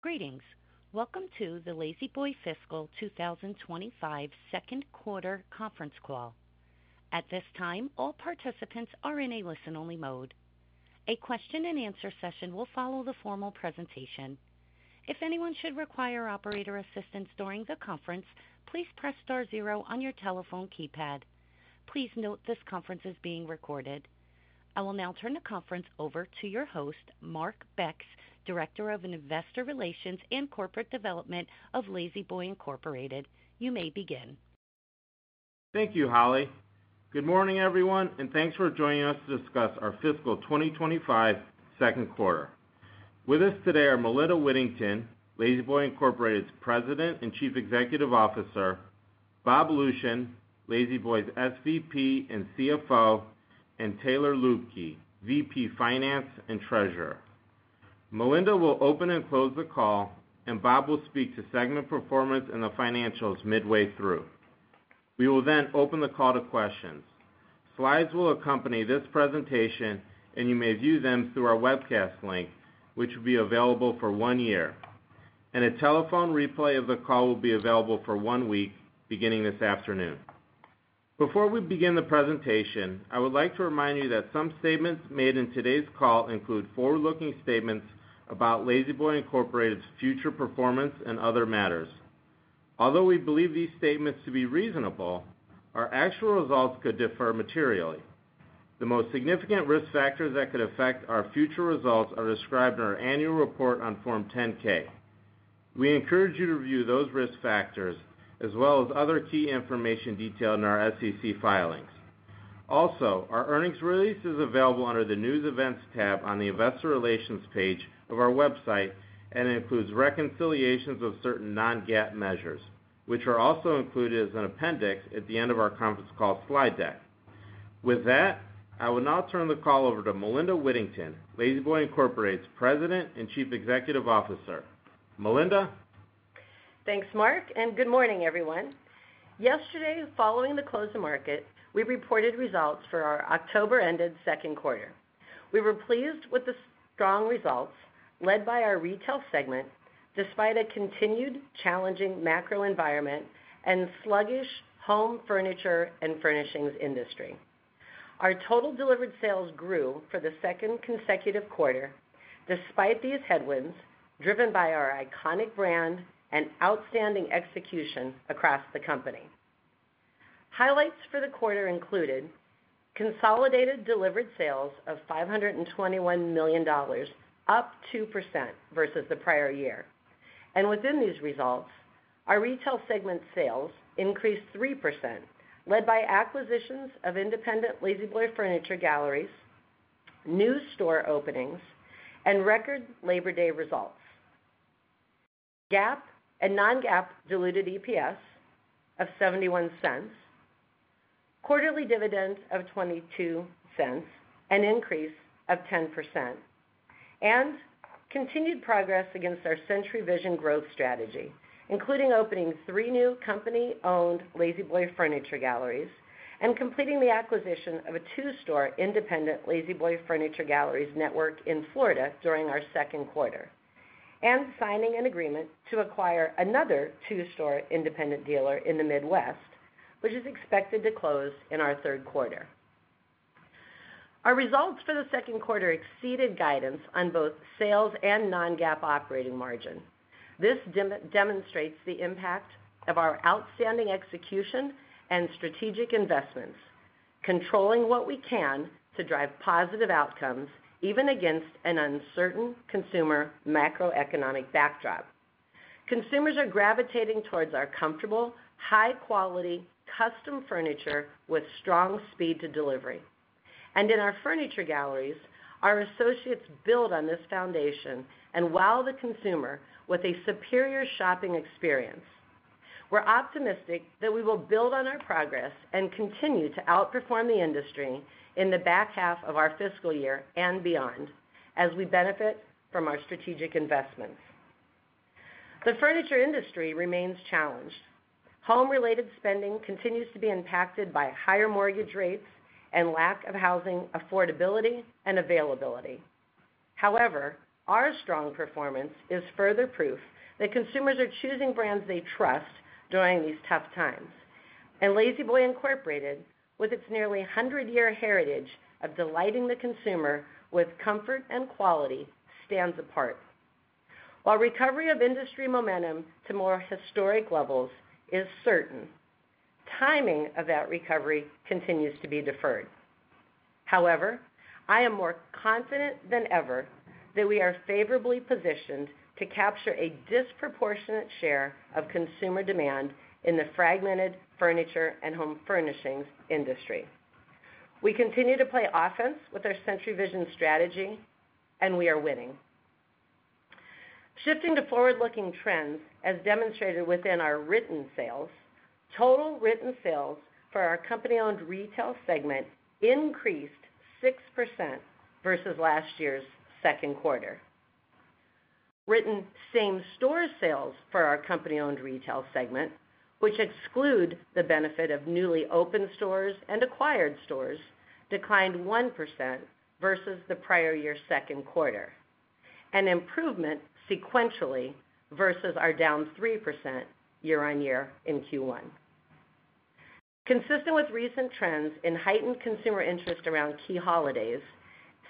Greetings. Welcome to the La-Z-Boy Fiscal 2025 Q2 Conference Call. At this time, all participants are in a listen-only mode. A question-and-answer session will follow the formal presentation. If anyone should require operator assistance during the conference, please press star zero on your telephone keypad. Please note this conference is being recorded. I will now turn the conference over to your host, Mark Becks, Director of Investor Relations and Corporate Development of La-Z-Boy Incorporated. You may begin. Thank you, Holly. Good morning, everyone, and thanks for joining us to discuss our fiscal 2025 Q2. With us today are Melinda Whittington, La-Z-Boy Incorporated's President and Chief Executive Officer, Bob Lucian, La-Z-Boy's SVP and CFO, and Taylor Luebke, VP Finance and Treasurer. Melinda will open and close the call, and Bob will speak to segment performance and the financials midway through. We will then open the call to questions. Slides will accompany this presentation, and you may view them through our webcast link, which will be available for one year, and a telephone replay of the call will be available for one week beginning this afternoon. Before we begin the presentation, I would like to remind you that some statements made in today's call include forward-looking statements about La-Z-Boy Incorporated's future performance and other matters. Although we believe these statements to be reasonable, our actual results could differ materially. The most significant risk factors that could affect our future results are described in our annual report on Form 10-K. We encourage you to review those risk factors, as well as other key information detailed in our SEC filings. Also, our earnings release is available under the News Events tab on the Investor Relations page of our website and includes reconciliations of certain non-GAAP measures, which are also included as an appendix at the end of our conference call slide deck. With that, I will now turn the call over to Melinda Whittington, La-Z-Boy Incorporated's President and Chief Executive Officer. Melinda? Thanks, Mark, and good morning, everyone. Yesterday, following the close of market, we reported results for our October-ended Q2. We were pleased with the strong results, led by our retail segment, despite a continued challenging macro environment and sluggish home furniture and furnishings industry. Our total delivered sales grew for the second consecutive quarter, despite these headwinds driven by our iconic brand and outstanding execution across the company. Highlights for the quarter included consolidated delivered sales of $521 million, up 2% versus the prior year. Within these results, our retail segment sales increased 3%, led by acquisitions of independent La-Z-Boy Furniture Galleries, new store openings, and record Labor Day results, GAAP and non-GAAP diluted EPS of $0.71, quarterly dividend of $0.22, an increase of 10%, and continued progress against our Century Vision growth strategy, including opening three new company-owned La-Z-Boy Furniture Galleries and completing the acquisition of a two-store independent La-Z-Boy Furniture Galleries network in Florida during our Q2, and signing an agreement to acquire another two-store independent dealer in the Midwest, which is expected to close in our Q3. Our results for the Q2 exceeded guidance on both sales and non-GAAP operating margin. This demonstrates the impact of our outstanding execution and strategic investments, controlling what we can to drive positive outcomes even against an uncertain consumer macroeconomic backdrop. Consumers are gravitating towards our comfortable, high-quality custom furniture with strong speed to delivery. And in our furniture galleries, our associates build on this foundation and wow the consumer with a superior shopping experience. We're optimistic that we will build on our progress and continue to outperform the industry in the back half of our fiscal year and beyond as we benefit from our strategic investments. The furniture industry remains challenged. Home-related spending continues to be impacted by higher mortgage rates and lack of housing affordability and availability. However, our strong performance is further proof that consumers are choosing brands they trust during these tough times. And La-Z-Boy Incorporated, with its nearly 100-year heritage of delighting the consumer with comfort and quality, stands apart. While recovery of industry momentum to more historic levels is certain, timing of that recovery continues to be deferred. However, I am more confident than ever that we are favorably positioned to capture a disproportionate share of consumer demand in the fragmented furniture and home furnishings industry. We continue to play offense with our Century Vision strategy, and we are winning. Shifting to forward-looking trends, as demonstrated within our written sales, total written sales for our company-owned retail segment increased 6% versus last year's Q2. Written same-store sales for our company-owned retail segment, which exclude the benefit of newly opened stores and acquired stores, declined 1% versus the prior year's Q2, an improvement sequentially versus our down 3% year-on-year in Q1. Consistent with recent trends in heightened consumer interest around key holidays,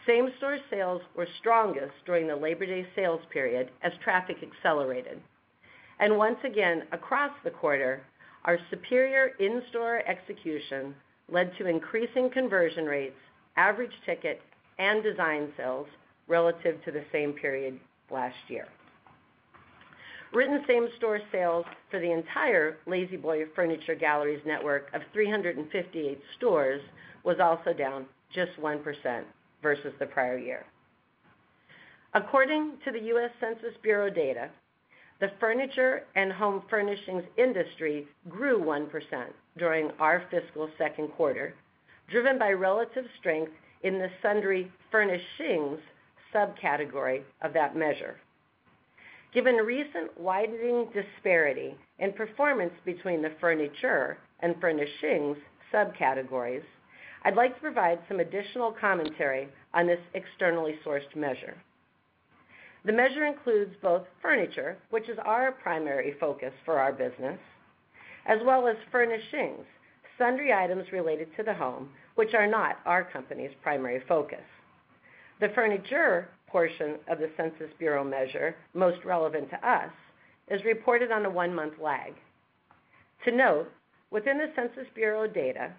same-store sales were strongest during the Labor Day sales period as traffic accelerated. Once again, across the quarter, our superior in-store execution led to increasing conversion rates, average ticket, and design sales relative to the same period last year. Written same-store sales for the entire La-Z-Boy Furniture Galleries network of 358 stores was also down just 1% versus the prior year. According to the U.S. Census Bureau data, the furniture and home furnishings industry grew 1% during our fiscal Q2, driven by relative strength in the sundry furnishings subcategory of that measure. Given recent widening disparity in performance between the furniture and furnishings subcategories, I'd like to provide some additional commentary on this externally sourced measure. The measure includes both furniture, which is our primary focus for our business, as well as furnishings, Sundry items related to the home, which are not our company's primary focus. The furniture portion of the U.S. Census Bureau measure, most relevant to us, is reported on a one-month lag. To note, within the U.S. Census Bureau data,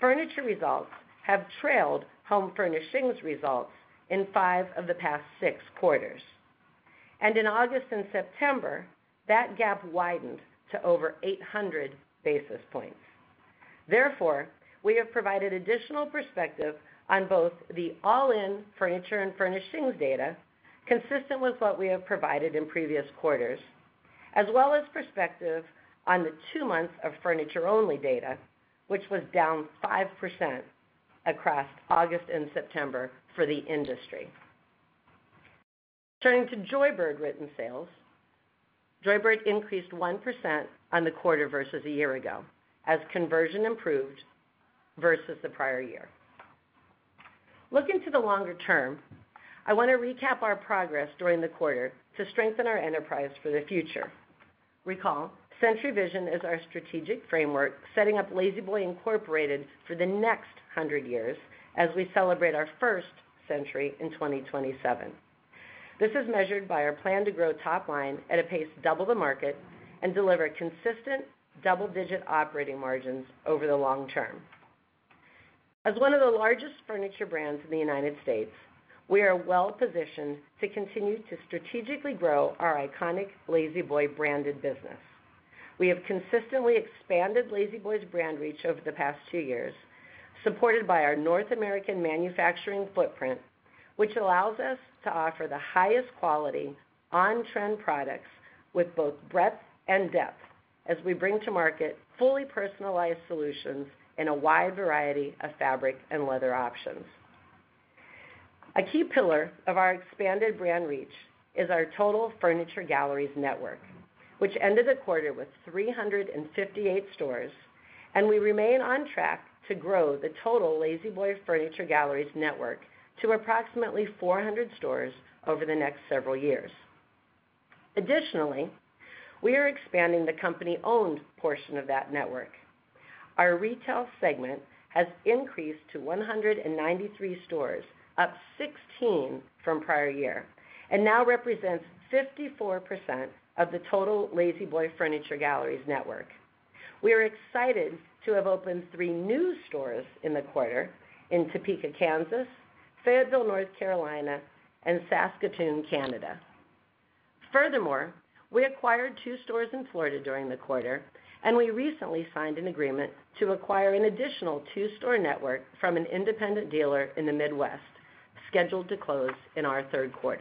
furniture results have trailed home furnishings results in five of the past six quarters, and in August and September, that gap widened to over 800 basis points. Therefore, we have provided additional perspective on both the all-in furniture and furnishings data, consistent with what we have provided in previous quarters, as well as perspective on the two months of furniture-only data, which was down 5% across August and September for the industry. Turning to Joybird written sales, Joybird increased 1% on the quarter versus a year ago, as conversion improved versus the prior year. Looking to the longer term, I want to recap our progress during the quarter to strengthen our enterprise for the future. Recall, Century Vision is our strategic framework setting up La-Z-Boy Incorporated for the next 100 years as we celebrate our first century in 2027. This is measured by our plan to grow top line at a pace double the market and deliver consistent double-digit operating margins over the long term. As one of the largest furniture brands in the United States, we are well-positioned to continue to strategically grow our iconic La-Z-Boy branded business. We have consistently expanded La-Z-Boy's brand reach over the past two years, supported by our North American manufacturing footprint, which allows us to offer the highest quality on-trend products with both breadth and depth as we bring to market fully personalized solutions in a wide variety of fabric and leather options. A key pillar of our expanded brand reach is our total furniture galleries network, which ended the quarter with 358 stores, and we remain on track to grow the total La-Z-Boy Furniture Galleries network to approximately 400 stores over the next several years. Additionally, we are expanding the company-owned portion of that network. Our retail segment has increased to 193 stores, up 16 from prior year, and now represents 54% of the total La-Z-Boy Furniture Galleries network. We are excited to have opened three new stores in the quarter in Topeka, Kansas, Fayetteville, North Carolina, and Saskatoon, Canada. Furthermore, we acquired two stores in Florida during the quarter, and we recently signed an agreement to acquire an additional two-store network from an independent dealer in the Midwest, scheduled to close in our Q3.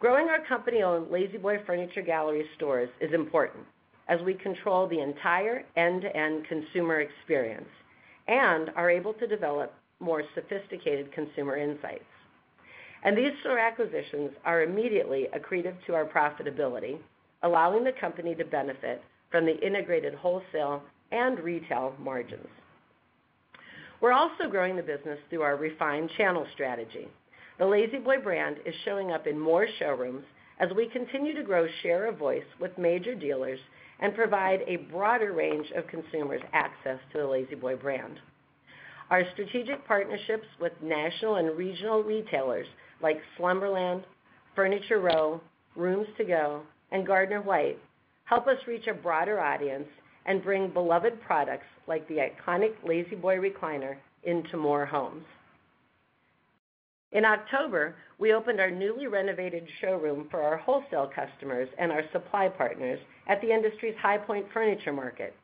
Growing our company-owned La-Z-Boy Furniture Galleries stores is important as we control the entire end-to-end consumer experience and are able to develop more sophisticated consumer insights. And these store acquisitions are immediately accretive to our profitability, allowing the company to benefit from the integrated wholesale and retail margins. We're also growing the business through our refined channel strategy. The La-Z-Boy brand is showing up in more showrooms as we continue to grow share of voice with major dealers and provide a broader range of consumers access to the La-Z-Boy brand. Our strategic partnerships with national and regional retailers like Slumberland, Furniture Row, Rooms To Go, and Gardner White help us reach a broader audience and bring beloved products like the iconic La-Z-Boy recliner into more homes. In October, we opened our newly renovated showroom for our wholesale customers and our supply partners at the industry's High Point furniture market.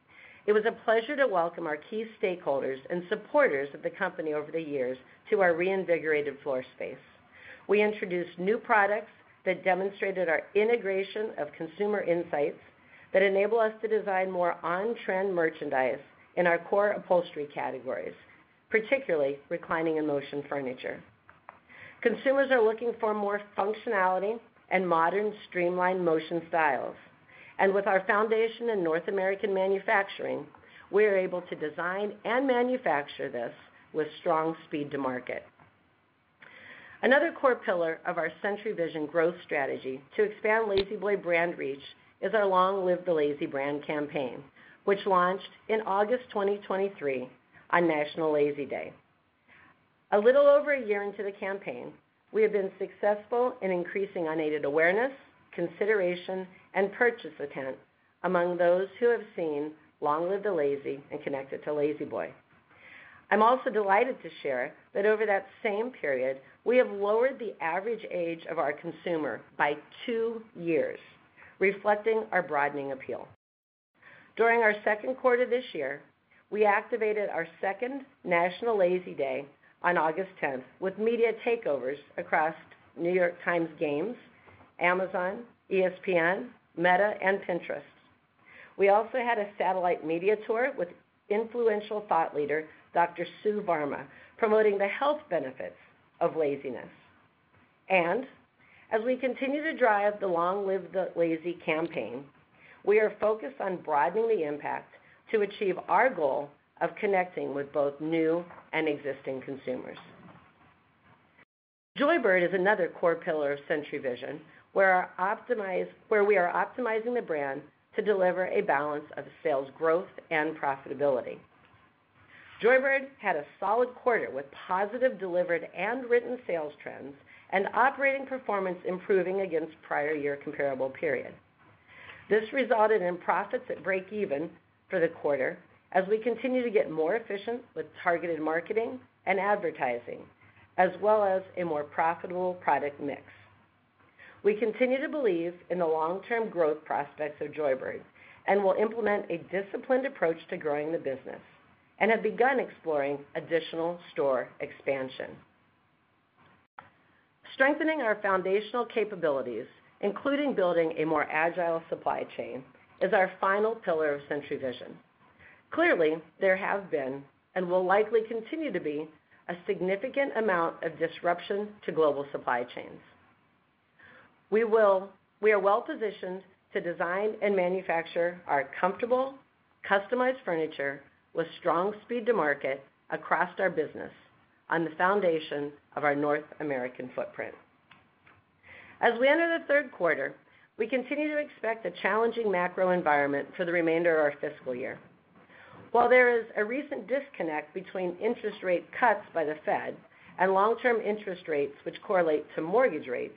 It was a pleasure to welcome our key stakeholders and supporters of the company over the years to our reinvigorated floor space. We introduced new products that demonstrated our integration of consumer insights that enable us to design more on-trend merchandise in our core upholstery categories, particularly reclining and motion furniture. Consumers are looking for more functionality and modern streamlined motion styles, and with our foundation in North American manufacturing, we are able to design and manufacture this with strong speed to market. Another core pillar of our Century Vision growth strategy to expand La-Z-Boy brand reach is our Long Live the La-Z brand campaign, which launched in August 2023 on National La-Z Day. A little over a year into the campaign, we have been successful in increasing unaided awareness, consideration, and purchase intent among those who have seen Long Live the La-Z and connected to La-Z-Boy. I'm also delighted to share that over that same period, we have lowered the average age of our consumer by two years, reflecting our broadening appeal. During our Q2 this year, we activated our second National La-Z Day on August 10th with media takeovers across New York Times Games, Amazon, ESPN, Meta, and Pinterest. We also had a satellite media tour with influential thought leader Dr. Sue Varma promoting the health benefits of laziness. And as we continue to drive the Long Live the La-Z campaign, we are focused on broadening the impact to achieve our goal of connecting with both new and existing consumers. Joybird is another core pillar of Century Vision, where we are optimizing the brand to deliver a balance of sales growth and profitability. Joybird had a solid quarter with positive delivered and written sales trends and operating performance improving against prior year comparable period. This resulted in profits at break-even for the quarter as we continue to get more efficient with targeted marketing and advertising, as well as a more profitable product mix. We continue to believe in the long-term growth prospects of Joybird and will implement a disciplined approach to growing the business and have begun exploring additional store expansion. Strengthening our foundational capabilities, including building a more agile supply chain, is our final pillar of Century Vision. Clearly, there have been and will likely continue to be a significant amount of disruption to global supply chains. We are well-positioned to design and manufacture our comfortable, customized furniture with strong speed to market across our business on the foundation of our North American footprint. As we enter the Q3, we continue to expect a challenging macro environment for the remainder of our fiscal year. While there is a recent disconnect between interest rate cuts by the Fed and long-term interest rates, which correlate to mortgage rates,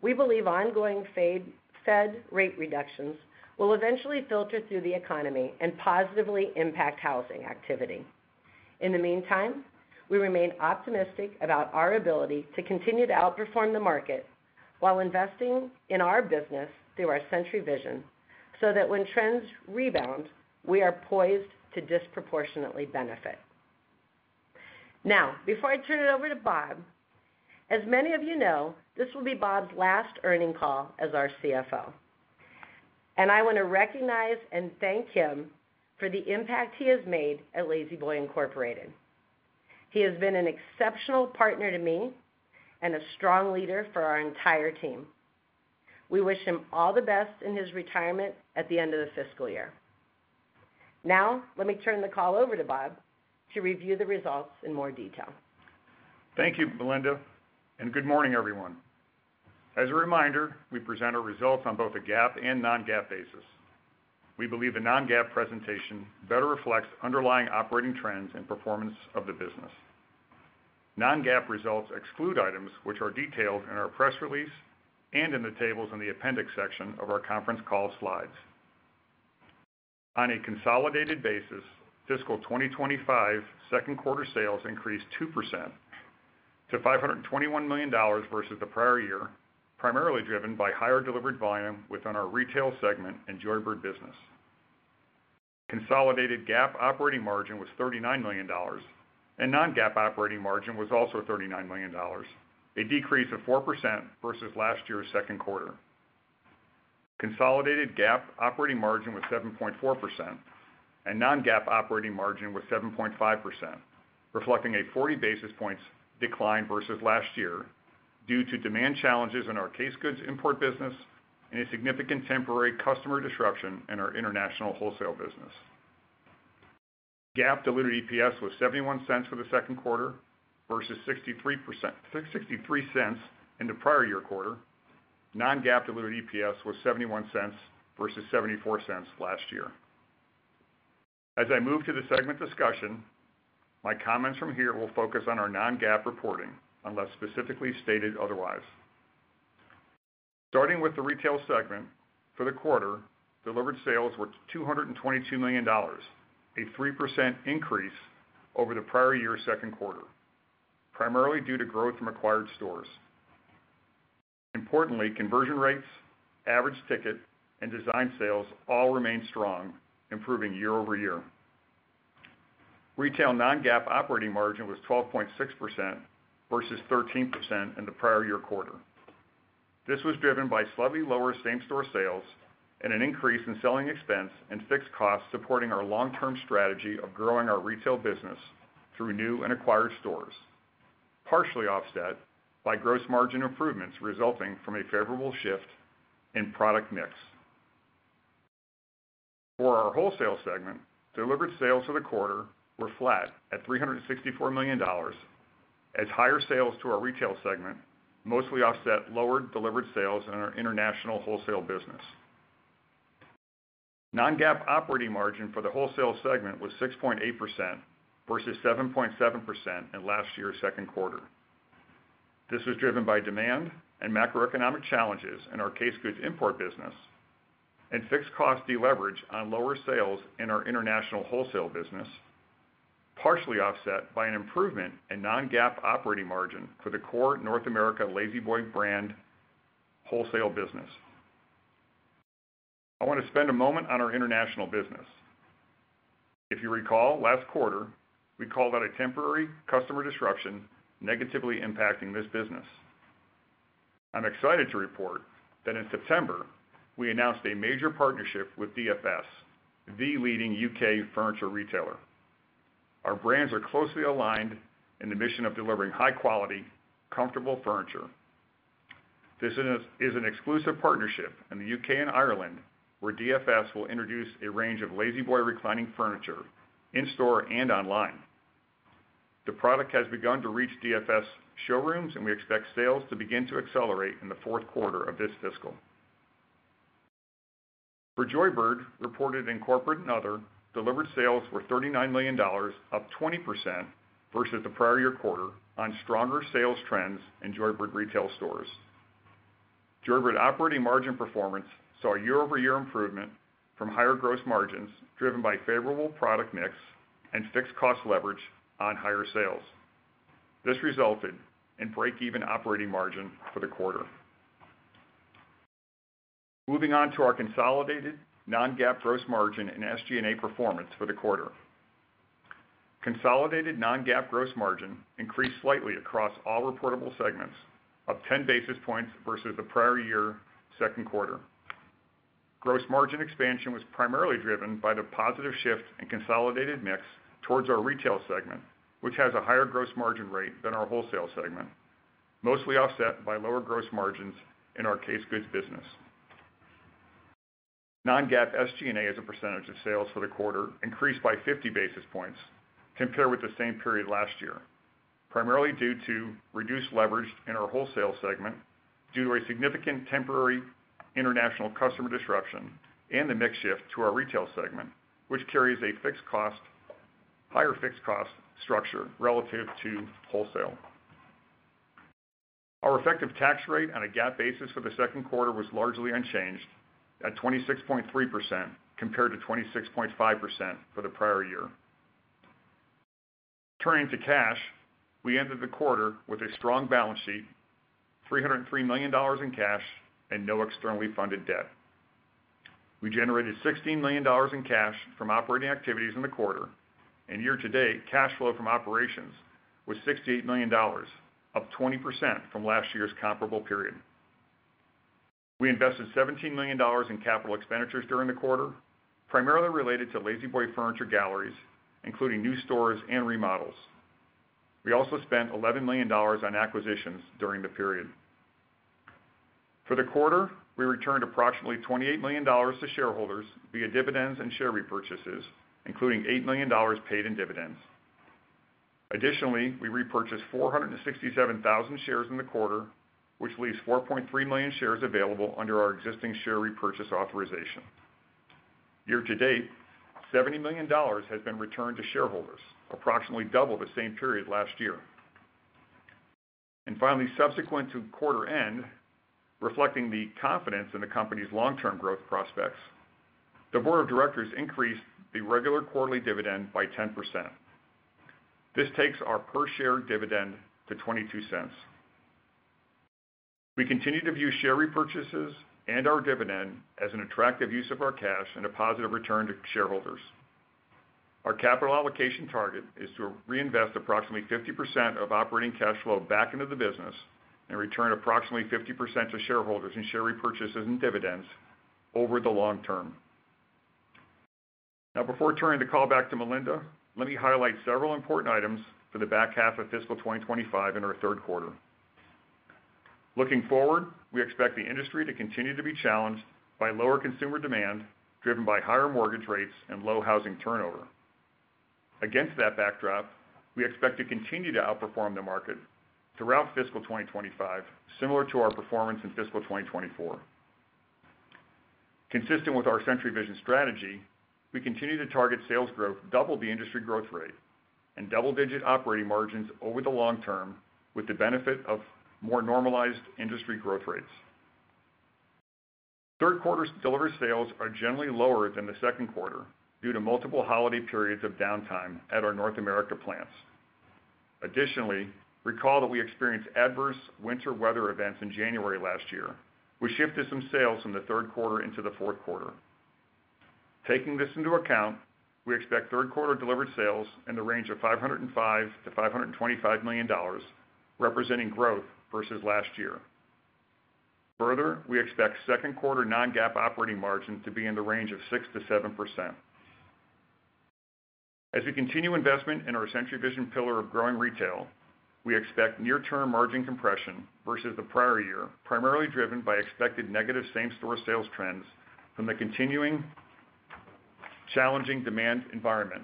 we believe ongoing Fed rate reductions will eventually filter through the economy and positively impact housing activity. In the meantime, we remain optimistic about our ability to continue to outperform the market while investing in our business through our Century Vision so that when trends rebound, we are poised to disproportionately benefit. Now, before I turn it over to Bob, as many of you know, this will be Bob's last earnings call as our CFO, and I want to recognize and thank him for the impact he has made at La-Z-Boy Incorporated. He has been an exceptional partner to me and a strong leader for our entire team. We wish him all the best in his retirement at the end of the fiscal year. Now, let me turn the call over to Bob to review the results in more detail. Thank you, Melinda, and good morning, everyone. As a reminder, we present our results on both a GAAP and non-GAAP basis. We believe the non-GAAP presentation better reflects underlying operating trends and performance of the business. Non-GAAP results exclude items which are detailed in our press release and in the tables in the appendix section of our conference call slides. On a consolidated basis, fiscal 2025 Q2 sales increased 2% to $521 million versus the prior year, primarily driven by higher delivered volume within our retail segment and Joybird business. Consolidated GAAP operating margin was $39 million, and non-GAAP operating margin was also $39 million, a decrease of 4% versus last year's Q2. Consolidated GAAP operating margin was 7.4%, and non-GAAP operating margin was 7.5%, reflecting a 40 basis points decline versus last year due to demand challenges in our case goods import business and a significant temporary customer disruption in our international wholesale business. GAAP diluted EPS was $0.71 for the Q2 versus $0.63 in the prior year quarter. Non-GAAP diluted EPS was $0.71 versus $0.74 last year. As I move to the segment discussion, my comments from here will focus on our non-GAAP reporting unless specifically stated otherwise. Starting with the retail segment, for the quarter, delivered sales were $222 million, a 3% increase over the prior year's Q2, primarily due to growth from acquired stores. Importantly, conversion rates, average ticket, and design sales all remained strong, improving year over year. Retail non-GAAP operating margin was 12.6% versus 13% in the prior year quarter. This was driven by slightly lower same-store sales and an increase in selling expense and fixed costs supporting our long-term strategy of growing our retail business through new and acquired stores, partially offset by gross margin improvements resulting from a favorable shift in product mix. For our wholesale segment, delivered sales for the quarter were flat at $364 million, as higher sales to our retail segment mostly offset lower delivered sales in our international wholesale business. Non-GAAP operating margin for the wholesale segment was 6.8% versus 7.7% in last year's Q2. This was driven by demand and macroeconomic challenges in our case goods import business and fixed cost deleverage on lower sales in our international wholesale business, partially offset by an improvement in Non-GAAP operating margin for the core North America La-Z-Boy brand wholesale business. I want to spend a moment on our international business. If you recall, last quarter, we called out a temporary customer disruption negatively impacting this business. I'm excited to report that in September, we announced a major partnership with DFS, the leading U.K. furniture retailer. Our brands are closely aligned in the mission of delivering high-quality, comfortable furniture. This is an exclusive partnership in the U.K. and Ireland, where DFS will introduce a range of La-Z-Boy reclining furniture in store and online. The product has begun to reach DFS showrooms, and we expect sales to begin to accelerate in the Q4 of this fiscal. For Joybird, reported in corporate and other, delivered sales were $39 million, up 20% versus the prior year quarter, on stronger sales trends in Joybird retail stores. Joybird operating margin performance saw a year-over-year improvement from higher gross margins driven by favorable product mix and fixed cost leverage on higher sales. This resulted in break-even operating margin for the quarter. Moving on to our consolidated non-GAAP gross margin and SG&A performance for the quarter. Consolidated non-GAAP gross margin increased slightly across all reportable segments, up 10 basis points versus the prior year Q2. Gross margin expansion was primarily driven by the positive shift in consolidated mix towards our retail segment, which has a higher gross margin rate than our wholesale segment, mostly offset by lower gross margins in our case goods business. Non-GAAP SG&A as a percentage of sales for the quarter increased by 50 basis points compared with the same period last year, primarily due to reduced leverage in our wholesale segment due to a significant temporary international customer disruption and the mix shift to our retail segment, which carries a higher fixed cost structure relative to wholesale. Our effective tax rate on a GAAP basis for the Q2 was largely unchanged at 26.3% compared to 26.5% for the prior year. Turning to cash, we ended the quarter with a strong balance sheet, $303 million in cash and no externally funded debt. We generated $16 million in cash from operating activities in the quarter, and year-to-date cash flow from operations was $68 million, up 20% from last year's comparable period. We invested $17 million in capital expenditures during the quarter, primarily related to La-Z-Boy Furniture Galleries, including new stores and remodels. We also spent $11 million on acquisitions during the period. For the quarter, we returned approximately $28 million to shareholders via dividends and share repurchases, including $8 million paid in dividends. Additionally, we repurchased 467,000 shares in the quarter, which leaves 4.3 million shares available under our existing share repurchase authorization. Year-to-date, $70 million has been returned to shareholders, approximately double the same period last year. Finally, subsequent to quarter end, reflecting the confidence in the company's long-term growth prospects, the board of directors increased the regular quarterly dividend by 10%. This takes our per share dividend to $0.22. We continue to view share repurchases and our dividend as an attractive use of our cash and a positive return to shareholders. Our capital allocation target is to reinvest approximately 50% of operating cash flow back into the business and return approximately 50% to shareholders in share repurchases and dividends over the long term. Now, before turning the call back to Melinda, let me highlight several important items for the back half of fiscal 2025 in our Q3. Looking forward, we expect the industry to continue to be challenged by lower consumer demand driven by higher mortgage rates and low housing turnover. Against that backdrop, we expect to continue to outperform the market throughout fiscal 2025, similar to our performance in fiscal 2024. Consistent with our Century Vision strategy, we continue to target sales growth double the industry growth rate and double-digit operating margins over the long term with the benefit of more normalized industry growth rates. Q3 delivered sales are generally lower than the Q2 due to multiple holiday periods of downtime at our North America plants. Additionally, recall that we experienced adverse winter weather events in January last year, which shifted some sales from the Q3 into the Q4. Taking this into account, we expect Q3 delivered sales in the range of $505-$525 million, representing growth versus last year. Further, we expect Q2 non-GAAP operating margin to be in the range of 6%-7%. As we continue investment in our Century Vision pillar of growing retail, we expect near-term margin compression versus the prior year, primarily driven by expected negative same-store sales trends from the continuing challenging demand environment,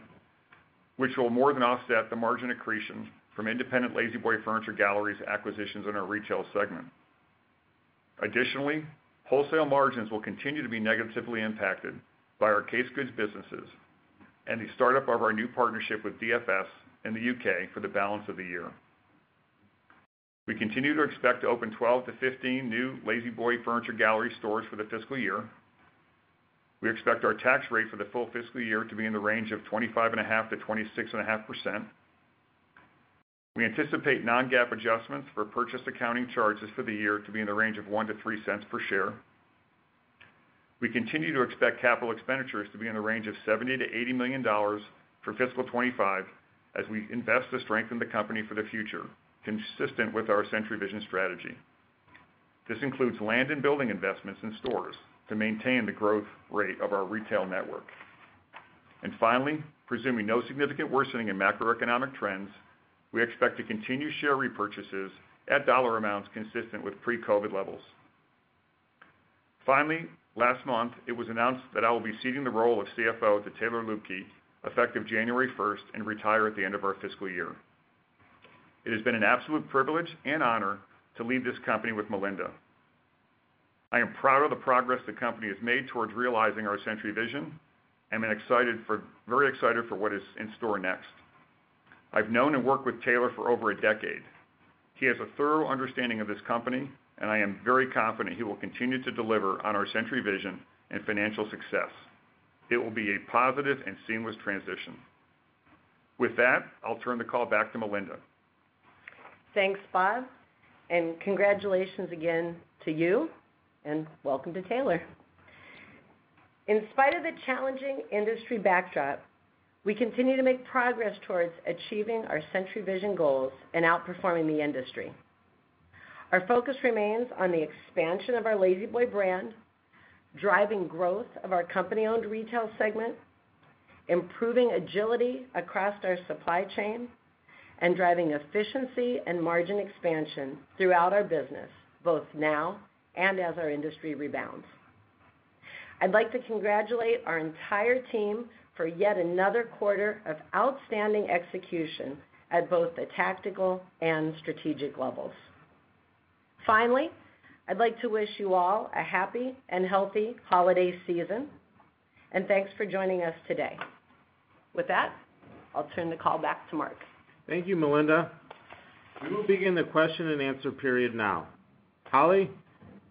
which will more than offset the margin accretion from independent La-Z-Boy Furniture Galleries acquisitions in our retail segment. Additionally, wholesale margins will continue to be negatively impacted by our case goods businesses and the startup of our new partnership with DFS in the U.K. for the balance of the year. We continue to expect to open 12-15 new La-Z-Boy Furniture Galleries stores for the fiscal year. We expect our tax rate for the full fiscal year to be in the range of 25.5%-26.5%. We anticipate non-GAAP adjustments for purchase accounting charges for the year to be in the range of $0.01-$0.03 per share. We continue to expect capital expenditures to be in the range of $70-$80 million for fiscal 2025 as we invest to strengthen the company for the future, consistent with our Century Vision strategy. This includes land and building investments in stores to maintain the growth rate of our retail network. And finally, presuming no significant worsening in macroeconomic trends, we expect to continue share repurchases at dollar amounts consistent with pre-COVID levels. Finally, last month, it was announced that I will be ceding the role of CFO to Taylor Luebke, effective January 1st, and retire at the end of our fiscal year. It has been an absolute privilege and honor to lead this company with Melinda. I am proud of the progress the company has made towards realizing our Century Vision and am very excited for what is in store next. I've known and worked with Taylor for over a decade. He has a thorough understanding of this company, and I am very confident he will continue to deliver on our Century Vision and financial success. It will be a positive and seamless transition. With that, I'll turn the call back to Melinda. Thanks, Bob. And congratulations again to you, and welcome to Taylor. In spite of the challenging industry backdrop, we continue to make progress towards achieving our Century Vision goals and outperforming the industry. Our focus remains on the expansion of our La-Z-Boy brand, driving growth of our company-owned retail segment, improving agility across our supply chain, and driving efficiency and margin expansion throughout our business, both now and as our industry rebounds. I'd like to congratulate our entire team for yet another quarter of outstanding execution at both the tactical and strategic levels. Finally, I'd like to wish you all a happy and healthy holiday season, and thanks for joining us today. With that, I'll turn the call back to Mark. Thank you, Melinda. We will begin the question and answer period now. Holly,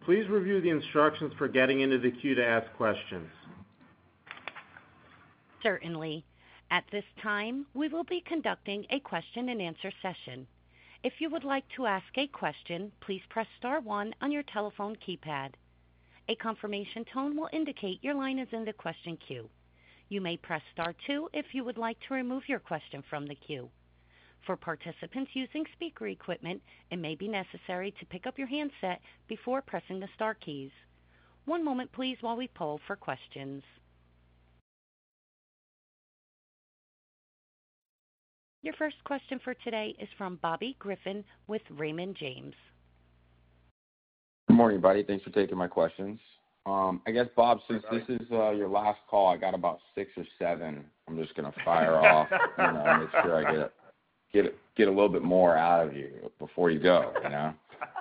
please review the instructions for getting into the queue to ask questions. Certainly. At this time, we will be conducting a question and answer session. If you would like to ask a question, please press star one on your telephone keypad. A confirmation tone will indicate your line is in the question queue. You may press star two if you would like to remove your question from the queue. For participants using speaker equipment, it may be necessary to pick up your handset before pressing the star keys. One moment, please, while we poll for questions. Your first question for today is from Bobby Griffin with Raymond James. Good morning, buddy. Thanks for taking my questions. I guess, Bob, since this is your last call, I got about six or seven. I'm just going to fire off and make sure I get a little bit more out of you before you go.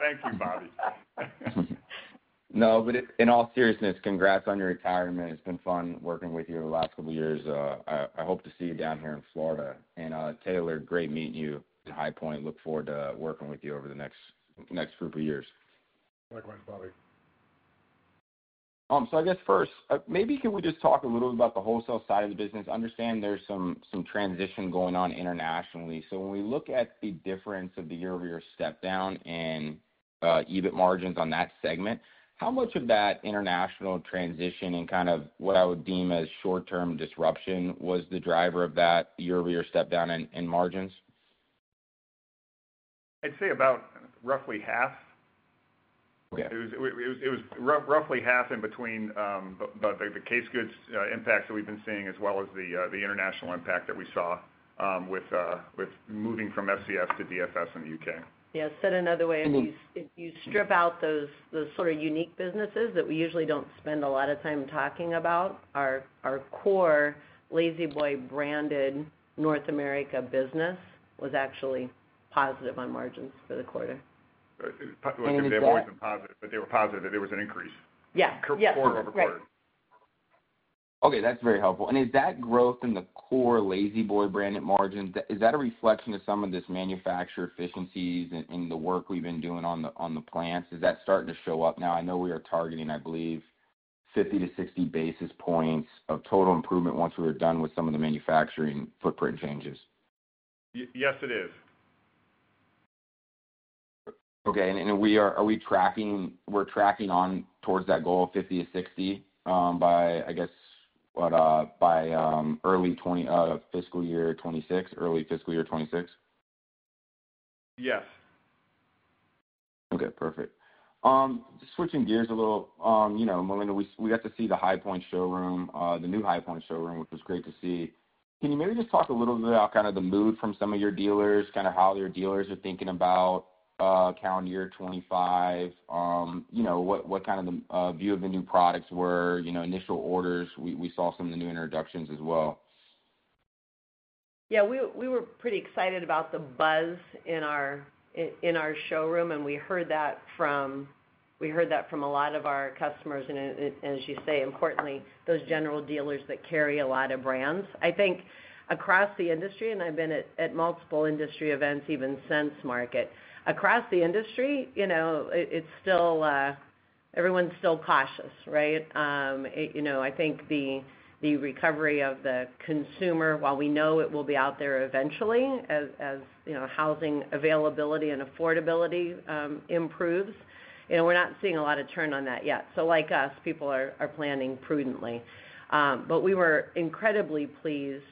Thank you, Bobby. No, but in all seriousness, congrats on your retirement. It's been fun working with you the last couple of years. I hope to see you down here in Florida. And Taylor, great meeting you in High Point. Look forward to working with you over the next group of years. Likewise, Bobby. So I guess first, maybe can we just talk a little bit about the wholesale side of the business? I understand there's some transition going on internationally. So when we look at the difference of the year-over-year stepdown and EBIT margins on that segment, how much of that international transition and kind of what I would deem as short-term disruption was the driver of that year-over-year stepdown in margins? I'd say about roughly half. It was roughly half in between the case goods impact that we've been seeing as well as the international impact that we saw with moving from ScS to DFS in the U.K. Yeah. Said another way, if you strip out those sort of unique businesses that we usually don't spend a lot of time talking about, our core La-Z-Boy branded North America business was actually positive on margins for the quarter. They've always been positive, but they were positive that there was an increase. Yeah. Correct. Okay. That's very helpful. And is that growth in the core La-Z-Boy branded margins, is that a reflection of some of this manufacturer efficiencies in the work we've been doing on the plants? Is that starting to show up now? I know we are targeting, I believe, 50-60 basis points of total improvement once we are done with some of the manufacturing footprint changes. Yes, it is. Okay. And are we tracking towards that goal, 50-60 by, I guess, by early fiscal year 2026, early fiscal year 2026? Yes. Okay. Perfect. Just switching gears a little, Melinda, we got to see the High Point showroom, the new High Point showroom, which was great to see. Can you maybe just talk a little bit about kind of the mood from some of your dealers, kind of how their dealers are thinking about calendar year 2025, what kind of view of the new products were, initial orders? We saw some of the new introductions as well. Yeah. We were pretty excited about the buzz in our showroom, and we heard that from a lot of our customers, and as you say, importantly, those general dealers that carry a lot of brands. I think across the industry, and I've been at multiple industry events even since market, across the industry, everyone's still cautious, right? I think the recovery of the consumer, while we know it will be out there eventually as housing availability and affordability improves, we're not seeing a lot of turn on that yet. So like us, people are planning prudently. But we were incredibly pleased,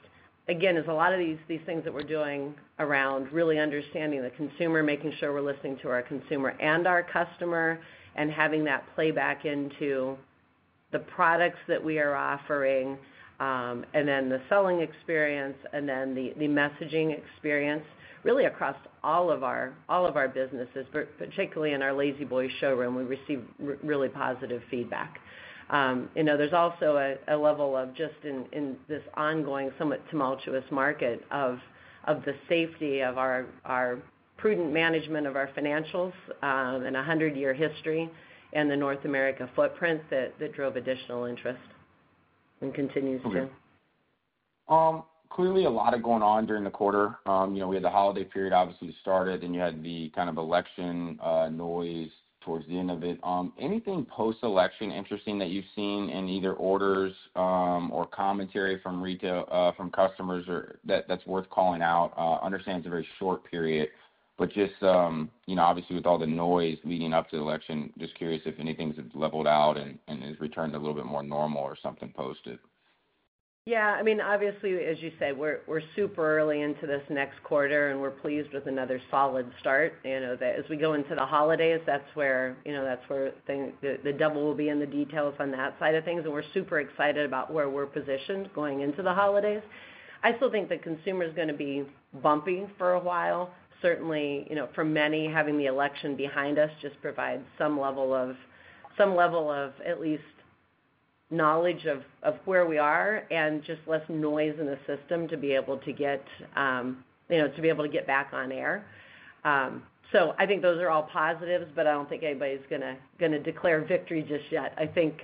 again, as a lot of these things that we're doing around really understanding the consumer, making sure we're listening to our consumer and our customer, and having that play back into the products that we are offering, and then the selling experience, and then the messaging experience, really across all of our businesses, particularly in our La-Z-Boy showroom. We received really positive feedback. There's also a level of just in this ongoing, somewhat tumultuous market of the safety of our prudent management of our financials and a hundred-year history and the North America footprint that drove additional interest and continues to. Clearly, a lot of going on during the quarter. We had the holiday period, obviously, started, then you had the kind of election noise towards the end of it. Anything post-election interesting that you've seen in either orders or commentary from customers that's worth calling out? I understand it's a very short period, but just obviously with all the noise leading up to the election, just curious if anything's leveled out and has returned a little bit more normal or something posted. Yeah. I mean, obviously, as you say, we're super early into this next quarter, and we're pleased with another solid start. As we go into the holidays, that's where the devil will be in the details on that side of things, and we're super excited about where we're positioned going into the holidays. I still think the consumer is going to be bumpy for a while. Certainly, for many, having the election behind us just provides some level of at least knowledge of where we are and just less noise in the system to be able to get back on air. So I think those are all positives, but I don't think anybody's going to declare victory just yet. I think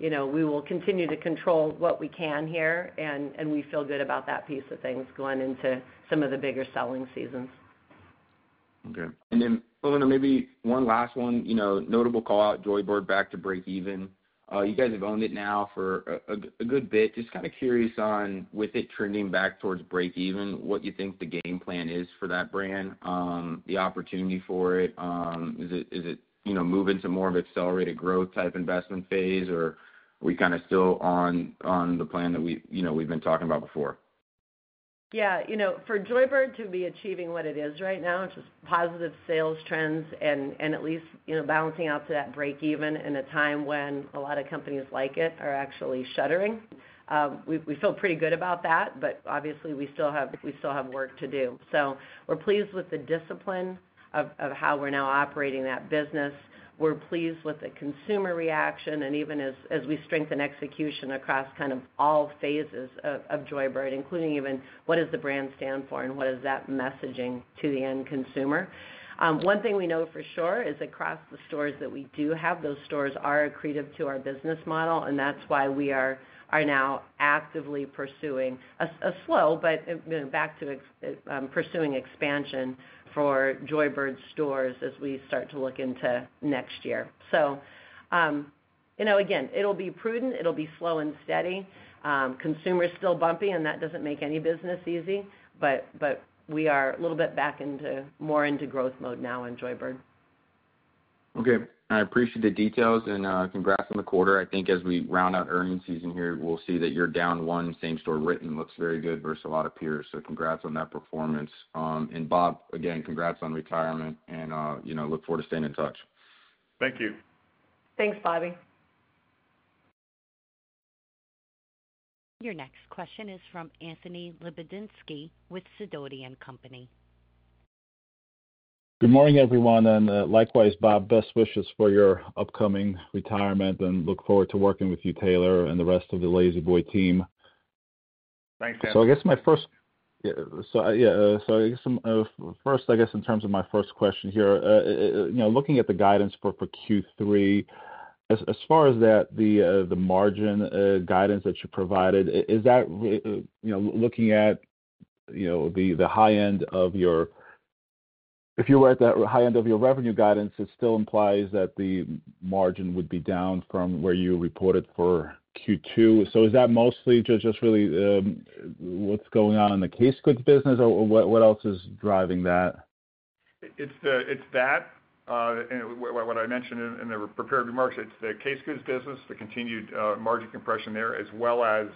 we will continue to control what we can here, and we feel good about that piece of things going into some of the bigger selling seasons. Okay. And then, Melinda, maybe one last one, notable callout, Joybird back to break even. You guys have owned it now for a good bit. Just kind of curious on, with it trending back towards break even, what you think the game plan is for that brand, the opportunity for it? Is it moving to more of an accelerated growth type investment phase, or are we kind of still on the plan that we've been talking about before? Yeah. For Joybird to be achieving what it is right now, which is positive sales trends and at least balancing out to that break even in a time when a lot of companies like it are actually shuttering, we feel pretty good about that. But obviously, we still have work to do. So we're pleased with the discipline of how we're now operating that business. We're pleased with the consumer reaction, and even as we strengthen execution across kind of all phases of Joybird, including even what does the brand stand for and what is that messaging to the end consumer. One thing we know for sure is across the stores that we do have, those stores are accretive to our business model, and that's why we are now actively pursuing a slow, but back to pursuing expansion for Joybird stores as we start to look into next year. So again, it'll be prudent. It'll be slow and steady. The consumer's still bumpy, and that doesn't make any business easy, but we are a little bit more into growth mode now in Joybird. Okay. I appreciate the details, and congrats on the quarter. I think as we round out earnings season here, we'll see that you're down one. Same-store written sales looks very good versus a lot of peers. So congrats on that performance. And Bob, again, congrats on retirement, and look forward to staying in touch. Thank you. Thanks, Bobby. Your next question is from Anthony Lebiedzinski with Sidoti & Company. Good morning, everyone, and likewise, Bob, best wishes for your upcoming retirement, and look forward to working with you, Taylor, and the rest of the La-Z-Boy team. Thanks, Dan. So I guess first, in terms of my first question here, looking at the guidance for Q3, as far as the margin guidance that you provided, is that looking at the high end of your, if you were at the high end of your revenue guidance, it still implies that the margin would be down from where you reported for Q2, so is that mostly just really what's going on in the case goods business, or what else is driving that? It's that. What I mentioned in the prepared remarks, it's the case goods business, the continued margin compression there, as well as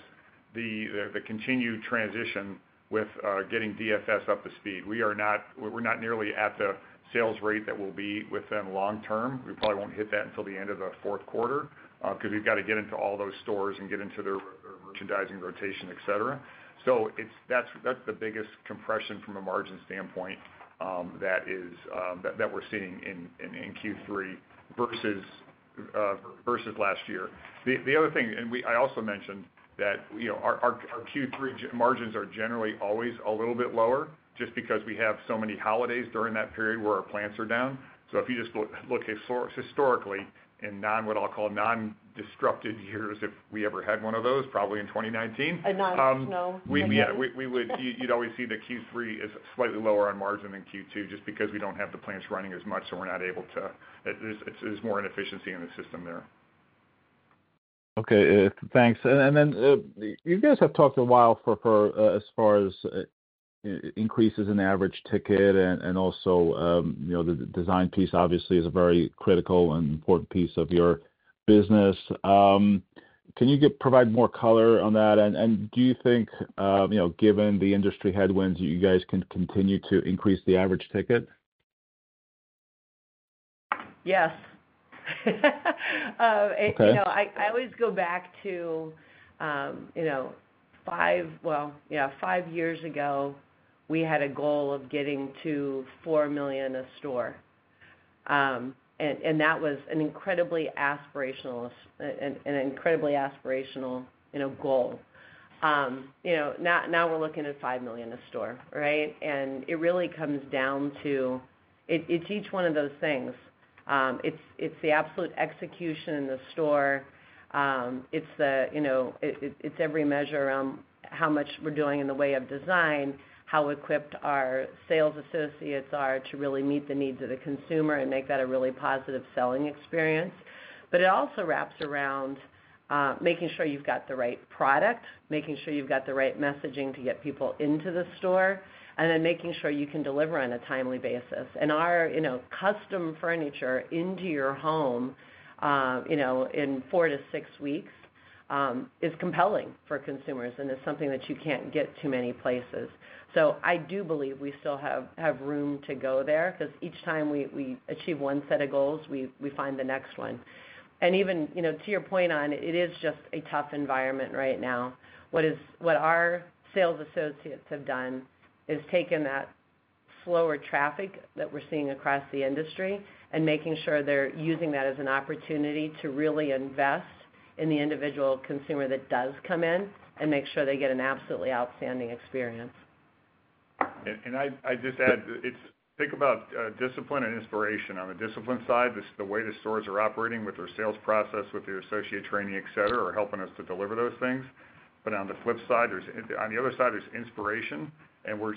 the continued transition with getting DFS up to speed. We're not nearly at the sales rate that we'll be within long term. We probably won't hit that until the end of the Q4 because we've got to get into all those stores and get into their merchandising rotation, etc. So that's the biggest compression from a margin standpoint that we're seeing in Q3 versus last year. The other thing, and I also mentioned that our Q3 margins are generally always a little bit lower just because we have so many holidays during that period where our plants are down. So if you just look historically in what I'll call non-disrupted years, if we ever had one of those, probably in 2019. A non-snow. You'd always see that Q3 is slightly lower on margin than Q2 just because we don't have the plants running as much, so we're not able to, there's more inefficiency in the system there. Okay. Thanks. And then you guys have talked a while as far as increases in average ticket, and also the design piece, obviously, is a very critical and important piece of your business. Can you provide more color on that? And do you think, given the industry headwinds, that you guys can continue to increase the average ticket? Yes. I always go back to five, well, yeah, five years ago, we had a goal of getting to $4 million a store. And that was an incredibly aspirational goal. Now we're looking at $5 million a store, right? And it really comes down to, it's each one of those things. It's the absolute execution in the store. It's every measure around how much we're doing in the way of design, how equipped our sales associates are to really meet the needs of the consumer and make that a really positive selling experience. But it also wraps around making sure you've got the right product, making sure you've got the right messaging to get people into the store, and then making sure you can deliver on a timely basis. And our custom furniture into your home in four to six weeks is compelling for consumers, and it's something that you can't get too many places. So I do believe we still have room to go there because each time we achieve one set of goals, we find the next one. And even to your point on it, it is just a tough environment right now. What our sales associates have done is taken that slower traffic that we're seeing across the industry and making sure they're using that as an opportunity to really invest in the individual consumer that does come in and make sure they get an absolutely outstanding experience. And I just add, think about discipline and inspiration. On the discipline side, the way the stores are operating with their sales process, with their associate training, etc., are helping us to deliver those things. But on the flip side, on the other side, there's inspiration, and we're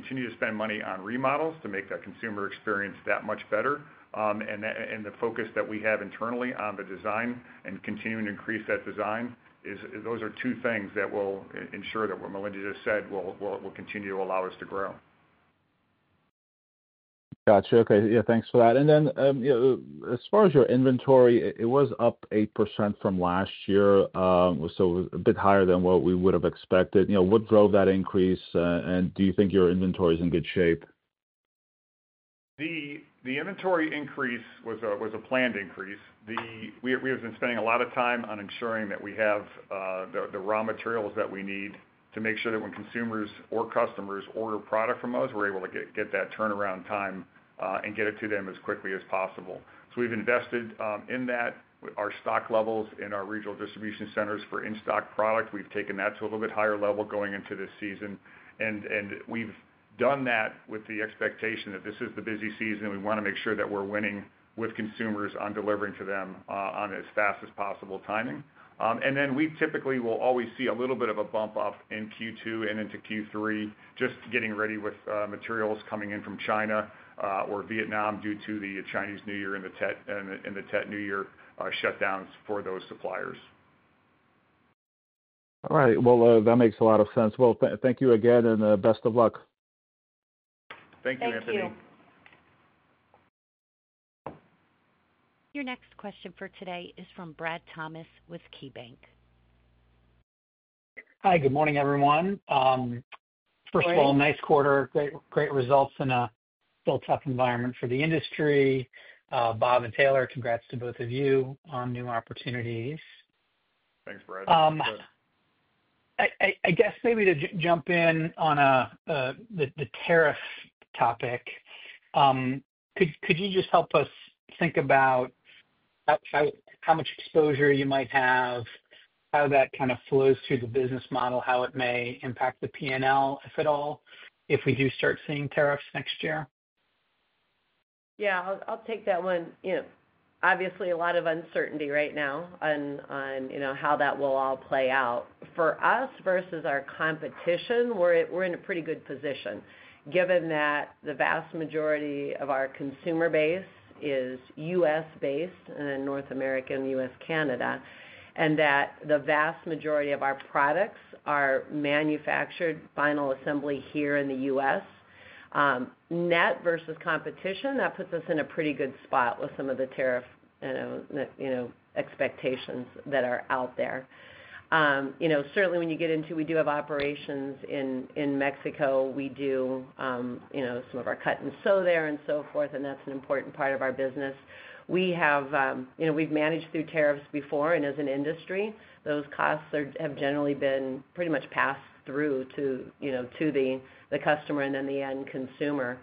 continuing to spend money on remodels to make that consumer experience that much better. And the focus that we have internally on the design and continuing to increase that design, those are two things that will ensure that what Melinda just said will continue to allow us to grow. Gotcha. Okay. Yeah. Thanks for that. And then as far as your inventory, it was up 8% from last year, so a bit higher than what we would have expected. What drove that increase, and do you think your inventory is in good shape? The inventory increase was a planned increase. We have been spending a lot of time on ensuring that we have the raw materials that we need to make sure that when consumers or customers order product from us, we're able to get that turnaround time and get it to them as quickly as possible. So we've invested in that. Our stock levels in our regional distribution centers for in-stock product, we've taken that to a little bit higher level going into this season. And we've done that with the expectation that this is the busy season, and we want to make sure that we're winning with consumers on delivering to them on as fast as possible timing. And then we typically will always see a little bit of a bump up in Q2 and into Q3, just getting ready with materials coming in from China or Vietnam due to the Chinese New Year and the Tet New Year shutdowns for those suppliers. All right. Well, that makes a lot of sense. Well, thank you again, and best of luck. Thank you, Anthony. Thank you. Your next question for today is from Brad Thomas with KeyBanc. Hi. Good morning, everyone. First of all, nice quarter, great results in a still tough environment for the industry. Bob and Taylor, congrats to both of you on new opportunities. Thanks, Brad. I guess maybe to jump in on the tariff topic, could you just help us think about how much exposure you might have, how that kind of flows through the business model, how it may impact the P&L, if at all, if we do start seeing tariffs next year? Yeah. I'll take that one. Obviously, a lot of uncertainty right now on how that will all play out. For us versus our competition, we're in a pretty good position given that the vast majority of our consumer base is U.S.-based and then North American, U.S., Canada, and that the vast majority of our products are manufactured, final assembly here in the U.S. Net versus competition, that puts us in a pretty good spot with some of the tariff expectations that are out there. Certainly, when you get into, we do have operations in Mexico. We do some of our cut and sew there and so forth, and that's an important part of our business. We've managed through tariffs before, and as an industry, those costs have generally been pretty much passed through to the customer and then the end consumer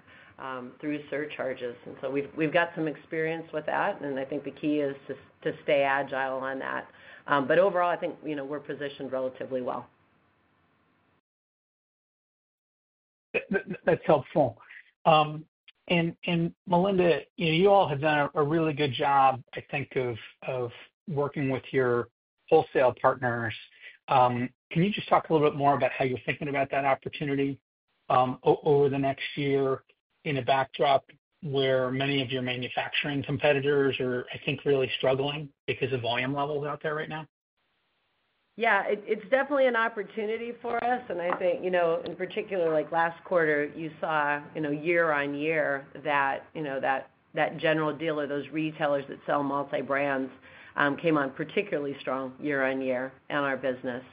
through surcharges. And so we've got some experience with that, and I think the key is to stay agile on that. But overall, I think we're positioned relatively well. That's helpful. And Melinda, you all have done a really good job, I think, of working with your wholesale partners. Can you just talk a little bit more about how you're thinking about that opportunity over the next year in a backdrop where many of your manufacturing competitors are, I think, really struggling because of volume levels out there right now? Yeah. It's definitely an opportunity for us. I think, in particular, like last quarter, you saw year on year that general dealer, those retailers that sell multi-brands, came on particularly strong year on year in our business.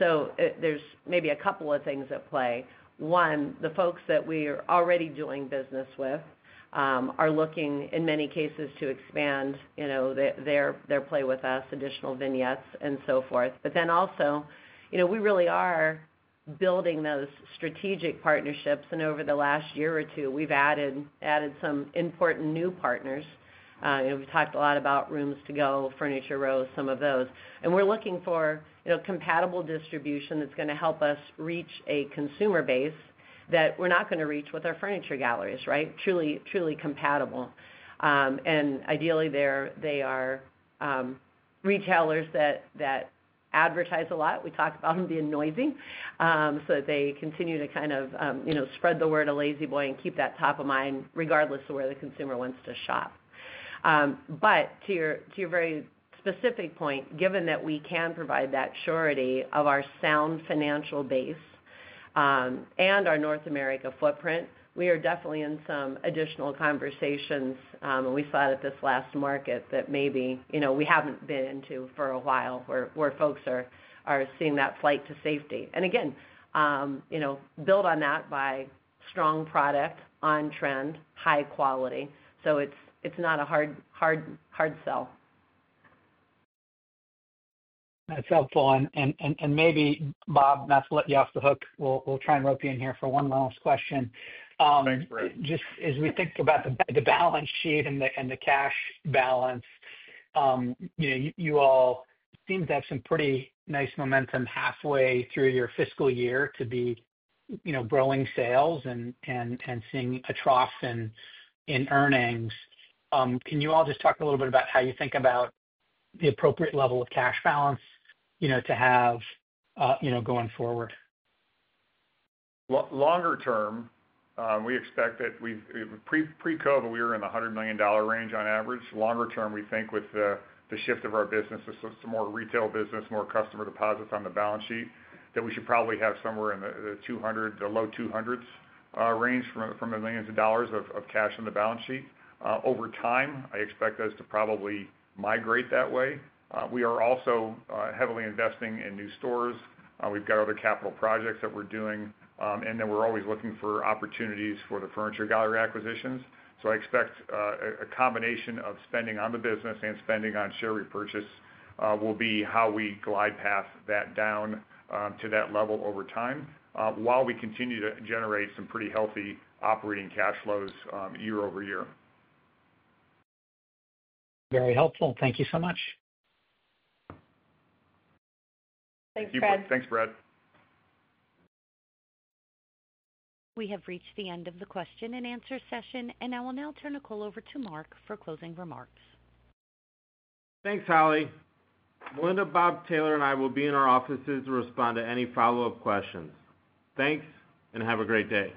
So there's maybe a couple of things at play. One, the folks that we are already doing business with are looking, in many cases, to expand their play with us, additional vignettes, and so forth. But then also, we really are building those strategic partnerships. And over the last year or two, we've added some important new partners. We've talked a lot about Rooms To Go, Furniture Row, some of those. And we're looking for compatible distribution that's going to help us reach a consumer base that we're not going to reach with our furniture galleries, right? Truly compatible. And ideally, they are retailers that advertise a lot. We talk about them being noisy so that they continue to kind of spread the word of La-Z-Boy and keep that top of mind regardless of where the consumer wants to shop. But to your very specific point, given that we can provide that surety of our sound financial base and our North America footprint, we are definitely in some additional conversations. And we saw it at this last market that maybe we haven't been into for a while where folks are seeing that flight to safety. And again, build on that by strong product, on-trend, high quality. So it's not a hard sell. That's helpful. And maybe, Bob, not to let you off the hook, we'll try and rope you in here for one last question. Thanks, Brad. Just as we think about the balance sheet and the cash balance, you all seem to have some pretty nice momentum halfway through your fiscal year to be growing sales and seeing a trough in earnings. Can you all just talk a little bit about how you think about the appropriate level of cash balance to have going forward? Longer term, we expect that pre-COVID, we were in the $100 million range on average. Longer term, we think with the shift of our business, some more retail business, more customer deposits on the balance sheet, that we should probably have somewhere in the low 200s range from the millions of dollars of cash on the balance sheet. Over time, I expect us to probably migrate that way. We are also heavily investing in new stores. We've got other capital projects that we're doing. And then we're always looking for opportunities for the furniture gallery acquisitions. So I expect a combination of spending on the business and spending on share repurchase will be how we glide past that down to that level over time while we continue to generate some pretty healthy operating cash flows year over year. Very helpful. Thank you so much. Thanks, Brad. Thanks, Brad. We have reached the end of the question and answer session, and I will now turn the call over to Mark for closing remarks. Thanks, Holly. Melinda, Bob, Taylor, and I will be in our offices to respond to any follow-up questions. Thanks, and have a great day.